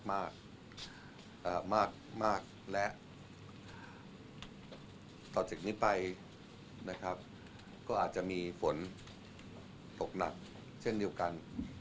มากและวันที่เนาะไปก็อาจจะมีฝนตกหนักเช่นเดียวกัน